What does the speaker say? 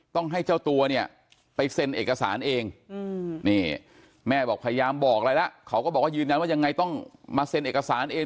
ต้องให้เจ้าตัวไปเซ็นเอกสารเองแม่พยายามบอกอะไรแล้วเขาก็บอกว่าอย่างไรต้องมาเซ็นเอกสารเอง